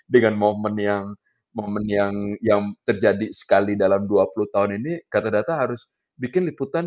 dengan momen yang terjadi sekali dalam dua puluh tahun ini kata data harus bikin liputan